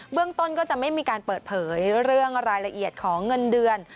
ต้นก็จะไม่มีการเปิดเผยเรื่องรายละเอียดของเงินเดือน